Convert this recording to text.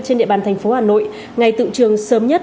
trên địa bàn thành phố hà nội ngày tự trường sớm nhất